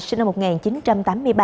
sinh năm một nghìn chín trăm tám mươi ba